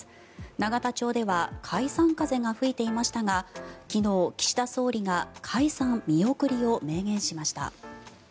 永田町では解散風が吹いていましたが昨日、岸田総理が解散見送りを明言しました。